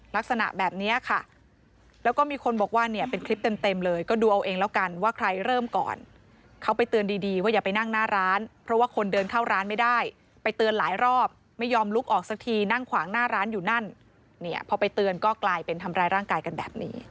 ลักษณะแบบนี้ค่ะแล้วก็มีคนบอกว่าเนี่ยเป็นคลิปเต็มเลยก็ดูเอาเองแล้วกันว่าใครเริ่มก่อนเขาไปเตือนดีดีว่าอย่าไปนั่งหน้าร้านเพราะว่าคนเดินเข้าร้านไม่ได้ไปเตือนหลายรอบไม่ยอมลุกออกสักทีนั่งขวางหน้าร้านอยู่นั่นเนี่ยพอไปเตือนก็กลายเป็นทำร้ายร่างกายกันแบบนี้